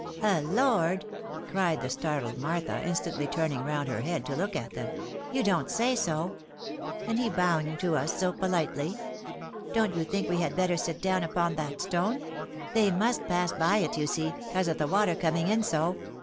"A lord!" cried the startled Martha, instantly turning round her head to look at them. " You don't say so ? And he bowing to us so poUtely ! Don't you think we had better sit down upon that stone ? They must pass by it, you see, 'cause of the water coming in so.